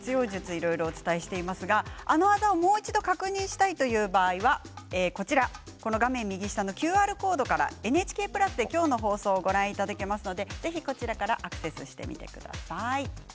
いろいろお伝えしていますがあの技をもう一度確認したいという場合は画面右下のＱＲコードからＮＨＫプラスで今日の放送をご覧いただけますのでアクセスしてみてください。